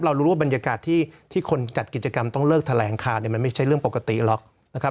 เรารู้ว่าบรรยากาศที่คนจัดกิจกรรมต้องเลิกแถลงข่าวเนี่ยมันไม่ใช่เรื่องปกติหรอกนะครับ